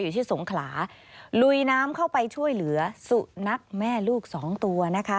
ที่สงขลาลุยน้ำเข้าไปช่วยเหลือสุนัขแม่ลูกสองตัวนะคะ